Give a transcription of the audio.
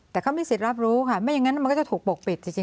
แต่เขามีสิทธิ์รับรู้ค่ะไม่อย่างนั้นมันก็จะถูกปกปิด